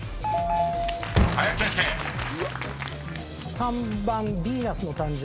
３番ヴィーナスの誕生。